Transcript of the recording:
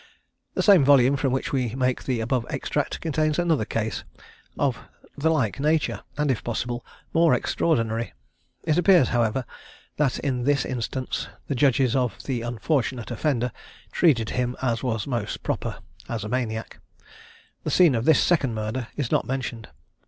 The same volume from which we make the above extract contains another case of the like nature, and, if possible, more extraordinary. It appears, however, that in this instance the judges of the unfortunate offender treated him as was most proper as a maniac. The scene of this second murder is not mentioned.